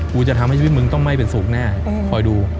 กูจะทำให้ชีวิตมึงต้องไม่เป็นสุขแน่คอยดู